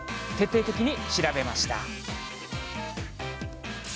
徹底的に、調べました。